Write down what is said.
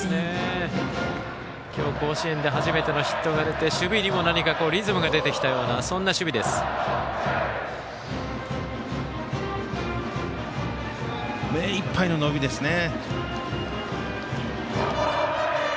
今日、甲子園で初めてのヒットが出て守備にも何かリズムが出てきたような目いっぱいの伸びですね。